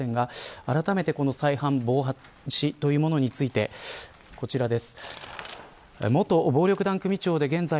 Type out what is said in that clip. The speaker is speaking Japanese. あらためて再犯防止についてこちらです。